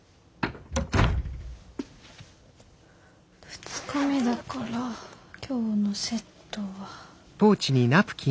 ２日目だから今日のセットは。